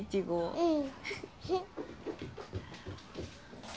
うん！